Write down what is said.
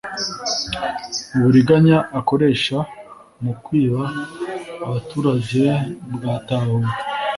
uburiganya akoresha mu kwiba abaturage bwatahuwe